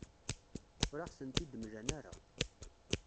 Ur aɣ-tent-id-mlan ara.